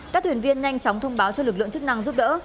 các thuyền viên nhanh chóng thông báo cho lực lượng chức năng giúp đỡ